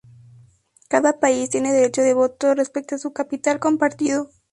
Cada país tiene derecho de voto respecto a su capital compartido.